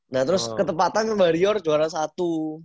nah terus ketepatan ke blitar juara satu